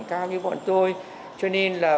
cao như bọn tôi cho nên là